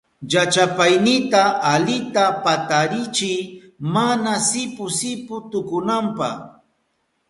Llachapaynita alita patarichiy mana sipu sipu tukunanpa.